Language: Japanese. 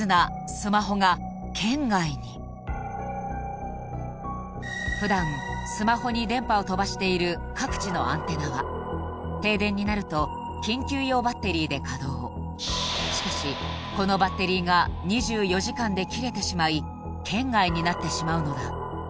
スマホが圏外に普段スマホに電波を飛ばしている各地のアンテナは停電になると緊急用バッテリーで稼働しかしこのバッテリーが２４時間で切れてしまい圏外になってしまうのだ